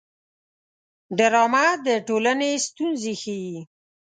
ډرامه د ټولنې ستونزې ښيي